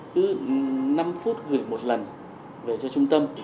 cứ năm phút gửi một lần về cho trung tâm